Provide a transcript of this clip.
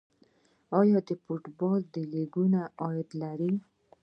آیا د فوټبال لیګونه عاید لري؟